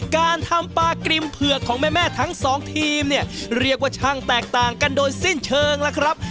การทำปลากริมเผือกของแม่ทั้งสองทีมเนี่ยเรียกว่าช่างแตกต่างกันโดยสิ้นเชิงล่ะครับ